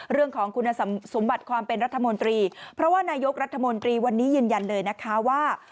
เรื่องของคุณสมบัติความเป็นรัฐมนตรีเพราะว่านายกรัฐมนตรีวันนี้ยืนยันเลยนะคะว่า